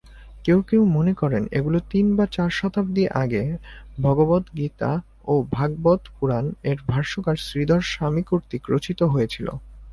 কেউ কেউ মনে করেন, এগুলি তিন বা চার শতাব্দী আগে "ভগবদ্গীতা" ও "ভাগবত পুরাণ"-এর ভাষ্যকার শ্রীধর স্বামী কর্তৃক রচিত হয়েছিল।